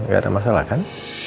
gak ada masalah kan